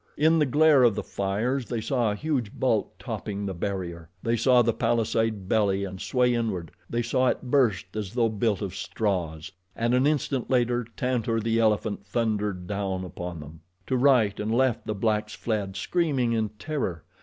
In the glare of the fires they saw a huge bulk topping the barrier. They saw the palisade belly and sway inward. They saw it burst as though built of straws, and an instant later Tantor, the elephant, thundered down upon them. To right and left the blacks fled, screaming in terror.